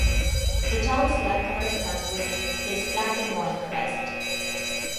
The town flag corresponds with this black and white crest.